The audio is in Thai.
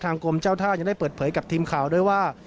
กรมเจ้าท่ายังได้เปิดเผยกับทีมข่าวด้วยว่า